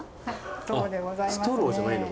そうでございますね。